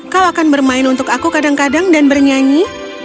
kau akan bermain untuk aku kadang kadang dan bernyanyi